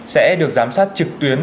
sẽ được giám sát trực tuyến